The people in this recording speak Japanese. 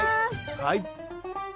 はい。